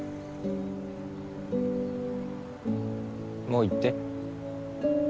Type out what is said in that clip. もう行って。